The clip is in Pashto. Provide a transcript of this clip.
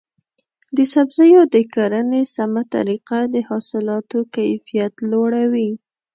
د سبزیو د کرنې سمه طریقه د حاصلاتو کیفیت لوړوي.